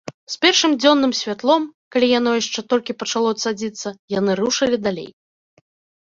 З першым дзённым святлом, калі яно яшчэ толькі пачало цадзіцца, яны рушылі далей.